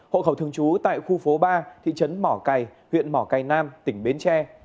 hộ khẩu thường trú tại khu phố ba thị trấn mỏ cày huyện mỏ cây nam tỉnh bến tre